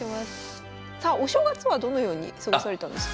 さあお正月はどのように過ごされたんですか？